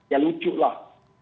ya lucu lah